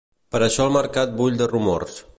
Per això el mercat bull de rumors.